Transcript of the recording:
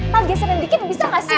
pak geseran dikit bisa gak sih pak